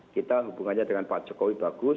kita hubungannya dengan pak jokowi bagus